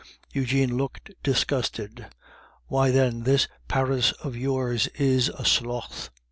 Eugene looked disgusted. "Why, then, this Paris of yours is a slough."